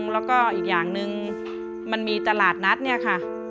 แล้วก็อีกอย่างหนึ่งมันมีตลาดนัดเนี่ยค่ะ